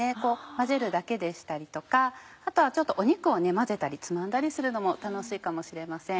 混ぜるだけでしたりとかあとはちょっと肉を混ぜたりつまんだりするのも楽しいかもしれません。